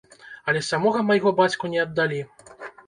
Але самога майго бацьку не аддалі.